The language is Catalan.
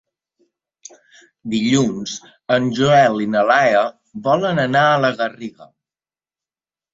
Dilluns en Joel i na Laia volen anar a la Garriga.